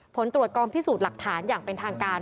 ผลตรวจกองพิสูจน์หลักฐานอย่างเป็นทางการ